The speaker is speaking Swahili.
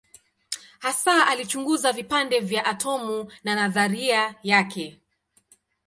Hasa alichunguza vipande vya atomu na nadharia yake.